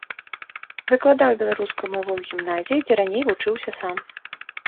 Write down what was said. Выкладаў беларускую мову ў гімназіі, дзе раней вучыўся сам.